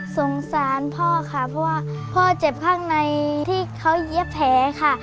สงสารพ่อค่ะเพราะว่าพ่อเจ็บข้างในที่เขาเย็บแผลค่ะ